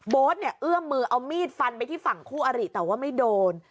เนี่ยเอื้อมมือเอามีดฟันไปที่ฝั่งคู่อริแต่ว่าไม่โดน